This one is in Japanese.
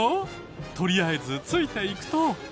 とりあえずついていくと。